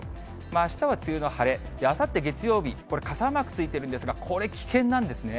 あしたは梅雨の晴れ、あさって月曜日、これ、傘マークついてるんですが、これ危険なんですね。